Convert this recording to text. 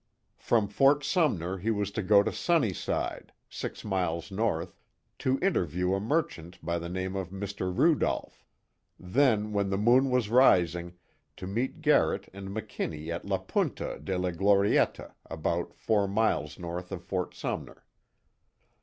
From Fort Sumner he was to go to Sunny Side, six miles north, to interview a merchant by the name of Mr. Rudolph. Then when the moon was rising, to meet Garrett and McKinnie at La Punta de la Glorietta, about four miles north of Fort Sumner.